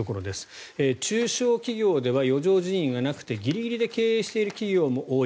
中小企業では余剰人員がなくてギリギリで経営している企業も多い。